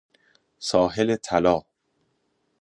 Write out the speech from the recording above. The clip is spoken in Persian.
ساحل طلا